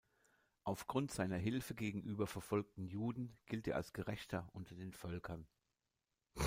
Aufgrund seiner Hilfe gegenüber verfolgten Juden gilt er als Gerechter unter den Völkern.